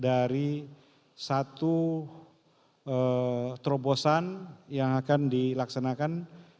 dari satu terobosan yang akan dilaksanakan